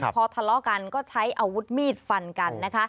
พอทะเลาะกันก็ใช้อาวุธมีดฟันกันนะคะ